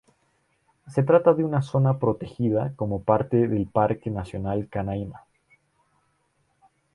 Se trata de una zona protegida como parte del Parque nacional Canaima.